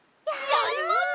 やります！